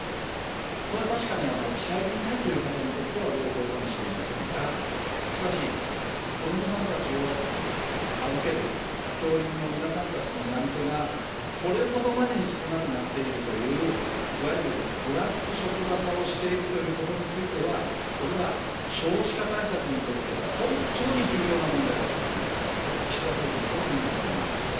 それは確かに入りたいという方にとっては朗報かもしれませんが、しかし、子どもさんたちを預ける教員の皆さんたちのなり手が、これほどまでに少なくなっているという、いわゆるブラック職場化をしているということについては、これは少子化対策にとって本当に重要な問題だと考えています。